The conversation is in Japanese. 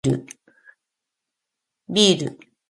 ビール